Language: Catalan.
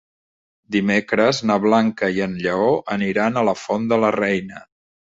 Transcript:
Dimecres na Blanca i en Lleó aniran a la Font de la Reina.